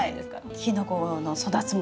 キノコの育つ森。